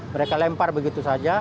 mereka lempar begitu saja